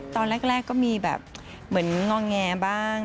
ตอนแรกก็มีแบบเหมือนงอแงบ้าง